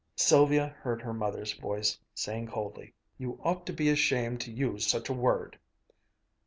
Sylvia heard her mother's voice saying coldly, "You ought to be ashamed to use such a word!"